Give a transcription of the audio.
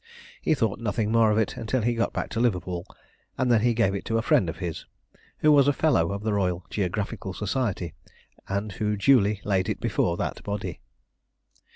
He thought nothing more of it until he got back to Liverpool, and then he gave it to a friend of his, who was a Fellow of the Royal Geographical Society, and who duly laid it before that body.